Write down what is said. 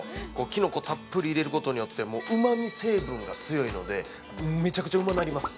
キノコをたっぷり入れることによってうまみ成分が強いのでめちゃくちゃうまなります。